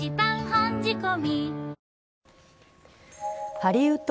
ハリウッド